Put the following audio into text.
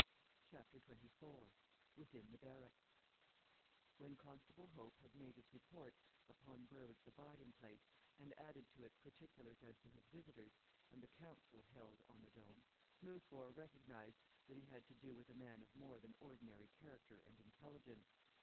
CHAPTER XXIV WITHIN THE BARRACKS When Constable Hope had made his report upon Berwick's abiding place, and added to it particulars as to his visitors, and the council held on the Dome, Smoothbore recognized that he had to do with a man of more than ordinary character and intelligence.